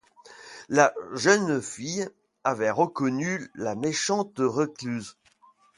La jeune fille avait reconnu la méchante recluse.